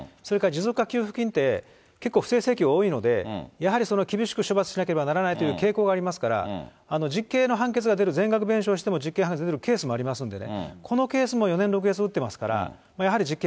それから持続化給付金って、結構不正請求が多いので、やはりその厳しく処罰しなければならないという傾向はありますから、実刑の判決が出る全額弁償しても、実刑判決が出るケースもありますんでね。